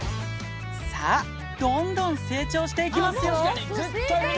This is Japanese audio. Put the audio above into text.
さあ、どんどん成長いきますよ。